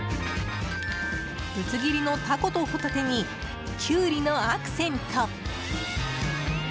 ぶつ切りのタコとホタテにキュウリのアクセント。